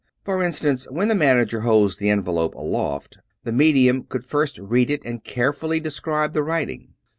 For instance, when the manager holds the envelope aloft, the medium could first read it and carefully describe the writing.